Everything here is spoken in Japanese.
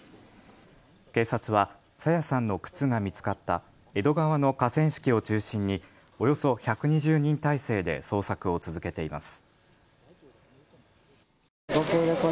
警察は朝芽さんの靴が見つかった江戸川の河川敷を中心におよそ１２０人態勢で捜索を続けています。